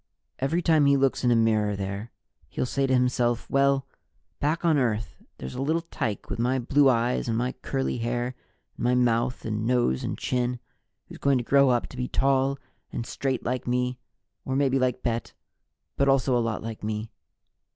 "Every time he looks in a mirror there, he'll say to himself, 'Well, back on Earth, there's a little tyke with my blue eyes and my curly hair and my mouth and nose and chin, who's going to grow up to be tall and straight like me or maybe like Bet, but also a lot like me.'